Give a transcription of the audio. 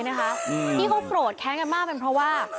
คือเขาก็โปรดแค้นกันมากเพราะว่า